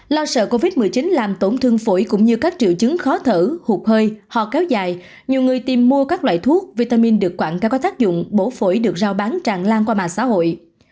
lo sợ covid một mươi chín làm tổn thương phổi cũng như các triệu chứng khó thở hụt hơi hò kéo dài nhiều người tìm mua các loại thuốc vitamin được quảng cáo có tác dụng bổ phổi được rào bán tràn lan qua mạng xã hội